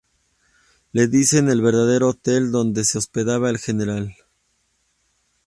Le dicen el verdadero hotel donde se hospeda el General.